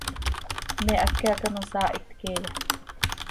¿Me háqui hac ano saahit queeya?